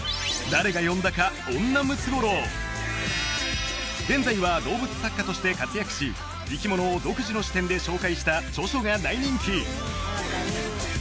誰が呼んだか現在は動物作家として活躍し生き物を独自の視点で紹介した著書が大人気！